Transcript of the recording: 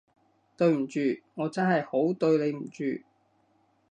對唔住，我真係好對你唔住